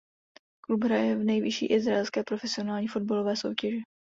Klub hraje v nejvyšší izraelské profesionální fotbalové soutěži.